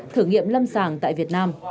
thử nghiệm lâm sàng tại việt nam